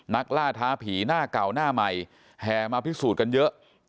นักล่าท้าผีหน้าเก่าหน้าใหม่แห่มาพิสูจน์กันเยอะ